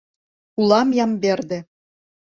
Улам Ямберде.